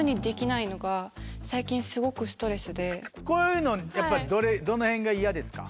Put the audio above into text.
こういうのやっぱどのへんが嫌ですか？